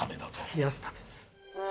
冷やすためです。